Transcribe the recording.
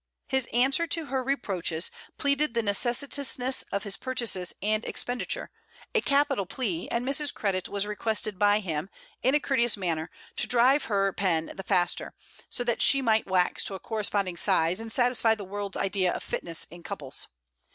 His answer to her reproaches pleaded the necessitousness of his purchases and expenditure: a capital plea; and Mrs. Credit was requested by him, in a courteous manner, to drive her pen the faster, so that she might wax to a corresponding size and satisfy the world's idea of fitness in couples.